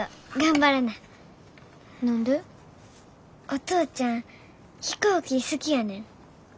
お父ちゃん飛行機好きやねん。